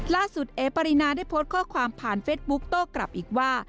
เอ๋ปรินาได้โพสต์ข้อความผ่านเฟสบุ๊คโต้กลับอีกว่า